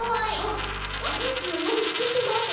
ノージーはまだつくってないの？